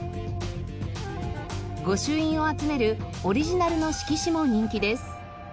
御朱印を集めるオリジナルの色紙も人気です。